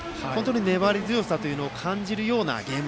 粘り強さを感じるようなゲーム。